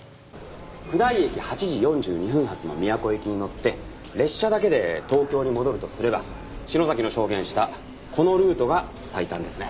普代駅８時４２分発の宮古行きに乗って列車だけで東京に戻るとすれば篠崎の証言したこのルートが最短ですね。